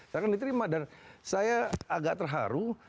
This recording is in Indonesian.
saya kan diterima dan saya agak terharu